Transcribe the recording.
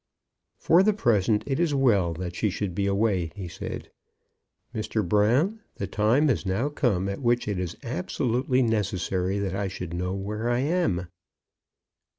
"For the present it is well that she should be away," he said. "Mr. Brown, the time has now come at which it is absolutely necessary that I should know where I am."